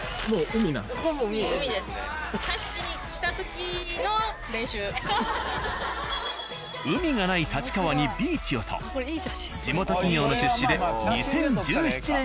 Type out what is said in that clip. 「海がない立川にビーチを」と地元企業の出資でいいね。